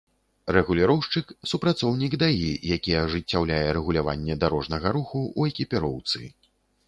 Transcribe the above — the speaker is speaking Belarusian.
Рэгуліроўшчык — супрацоўнік ДАІ, які ажыццяўляе рэгуляванне дарожнага руху ў экіпіроўцы